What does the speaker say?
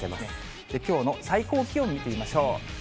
きょうの最高気温見てみましょう。